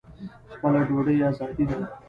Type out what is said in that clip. خپله ډوډۍ ازادي ده.